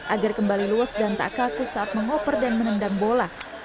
agar kembali luas dan tak kaku saat mengoper dan menendang bola